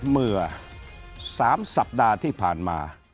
เมื่อ๓สัปดาห์ที่ผ่านมา